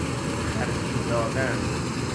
خرجی دادن